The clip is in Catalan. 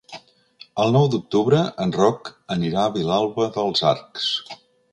El nou d'octubre en Roc anirà a Vilalba dels Arcs.